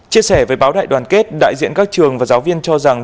chia sẻ với báo đại đoàn kết đại diện các trường và giáo viên cho rằng